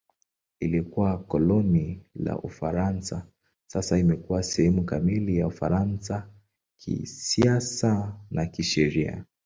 Ilikuwa koloni la Ufaransa; sasa imekuwa sehemu kamili ya Ufaransa kisiasa na kisheria.